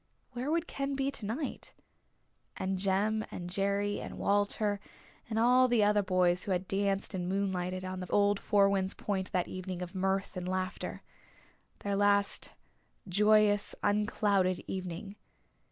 Where would Ken be tonight? And Jem and Jerry and Walter and all the other boys who had danced and moonlighted on the old Four Winds Point that evening of mirth and laughter their last joyous unclouded evening.